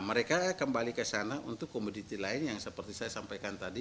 mereka kembali ke sana untuk komoditi lain yang seperti saya sampaikan tadi